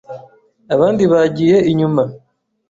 Abandi bagiye inyuma